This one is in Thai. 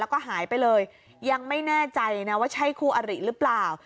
แล้วก็หายไปเลยยังไม่แน่ใจนะว่าใช่คู่อริหรือเปล่า